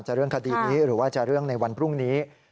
เรื่องคดีนี้หรือว่าจะเรื่องในวันพรุ่งนี้